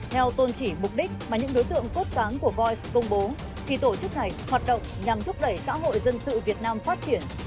theo tôn chỉ mục đích mà những đối tượng cốt cán của voi công bố thì tổ chức này hoạt động nhằm thúc đẩy xã hội dân sự việt nam phát triển